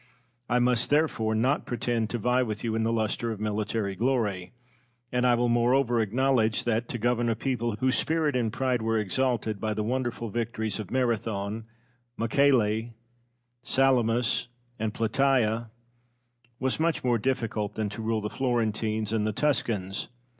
I must, therefore, not pretend to vie with you in the lustre of military glory; and I will moreover acknowledge that, to govern a people whose spirit and pride were exalted by the wonderful victories of Marathon, Mycale, Salamis, and Plataea, was much more difficult than to rule the Florentines and the Tuscans.